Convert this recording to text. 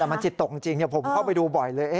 แต่มันจิตตกจริงผมเข้าไปดูบ่อยเลย